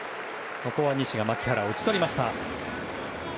西が牧原を打ち取りました。